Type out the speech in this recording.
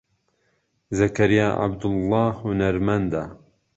زەکەریا عەبدوڵڵا هونەرمەندە.